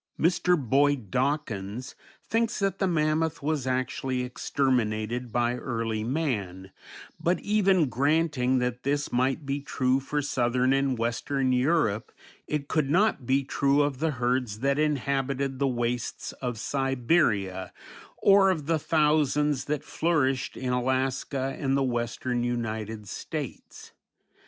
Mr. Boyd Dawkins thinks that the mammoth was actually exterminated by early man, but, even granting that this might be true for southern and western Europe, it could not be true of the herds that inhabited the wastes of Siberia, or of the thousands that flourished in Alaska and the western United States.